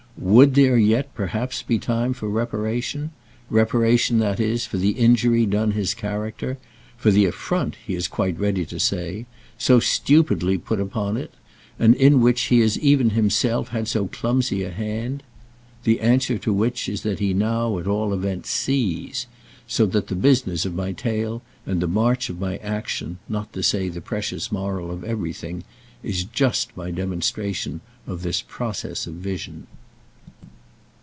Would there yet perhaps be time for reparation?—reparation, that is, for the injury done his character; for the affront, he is quite ready to say, so stupidly put upon it and in which he has even himself had so clumsy a hand? The answer to which is that he now at all events sees; so that the business of my tale and the march of my action, not to say the precious moral of everything, is just my demonstration of this process of vision.